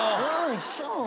一緒。